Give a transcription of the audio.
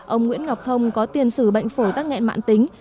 ông nguyễn ngọc thông có tiền sử bệnh phổ tắc nghẹn mạng tính